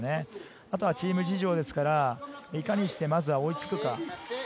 あとはチーム事情ですから、いかにして、まずは追いつくか。